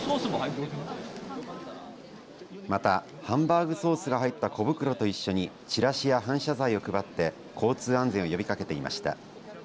また、ハンバーグソースが入った小袋と一緒にチラシや反射材を配って交通安全を呼びかけていました。